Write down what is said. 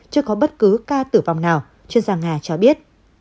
chưa có bất cứ ca tử vong nào chuyên gia nga cho biết